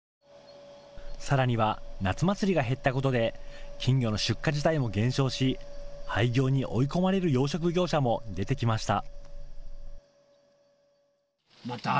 さらには夏祭りが減ったことで金魚の出荷自体も減少し廃業に追い込まれる養殖業者も出てきました。